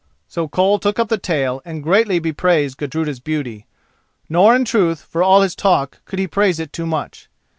So Koll took up the tale and greatly bepraised Gudruda's beauty; nor in truth, for all his talk, could he praise it too much.